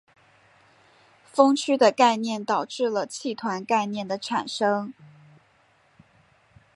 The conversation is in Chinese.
锋区的概念导致了气团概念的产生。